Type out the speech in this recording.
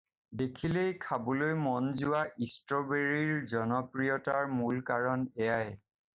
দেখিলেই খাবলৈ মন যোৱা ষ্ট্ৰ'বেৰিৰ জনপ্ৰিয়তাৰ মূল কাৰণ এয়াই।